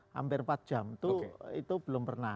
hampir empat jam itu belum pernah